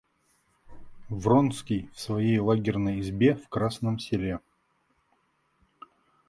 Вронский в своей лагерной избе в Красном селе.